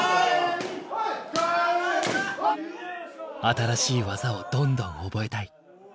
新しい技をどんどん覚えたい。